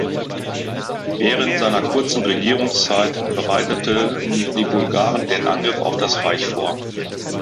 Während seiner kurzen Regierungszeit bereiteten die Bulgaren den Angriff auf das Reich vor.